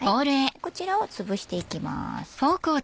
こちらをつぶしていきます。